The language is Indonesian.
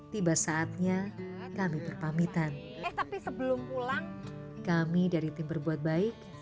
tiba saatnya kami berpamitan eh tapi sebelum pulang kami dari tim berbuat baik